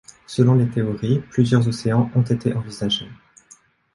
Selon les théories, plusieurs océans ont été envisagés.